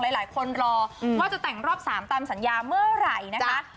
หลายคนรอว่าจะแต่งรอบ๓ตามสัญญาเมื่อไหร่นะคะ